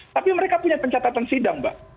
tapi mereka punya pencatatan sidang mbak